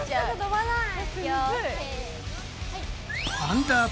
はい。